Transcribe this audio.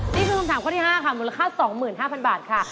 นี่คือคำถามข้อที่๕ค่ะมูลค่า๒๕๐๐บาทค่ะ